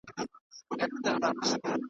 حبطه یې د فېشن ټوله خواري سي .